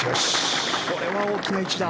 これは大きな一打。